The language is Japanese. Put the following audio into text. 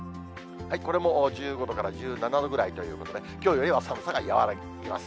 これも１５度から１７度ぐらいということで、きょうよりは寒さが和らぎます。